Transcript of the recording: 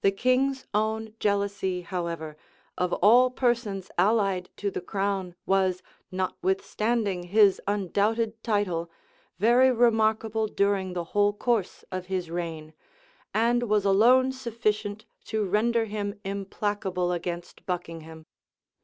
The king's own jealousy, however, of all persons allied to the crown, was, notwithstanding his undoubted title, very remarkable during the whole course of his reign; and was alone sufficient to render him implacable against Buckingham.